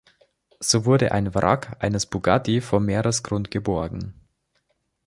So wurde ein Wrack eines Bugatti vom Meeresgrund geborgen.